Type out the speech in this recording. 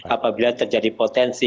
apabila terjadi potensi